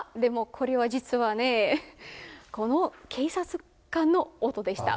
これは実はね、この警察官の音でした。